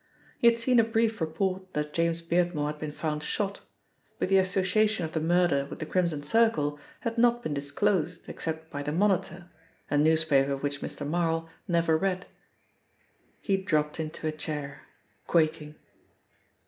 He had seen a brief report that James Beardmore had been found shot but the association of the murder with the Crimson Circle had not been disclosed except by the Monitor, a newspaper which Mr. Marl never read. He dropped into a chair, quaking.